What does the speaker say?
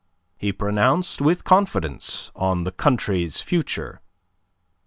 He pronounced with confidence on the country's future.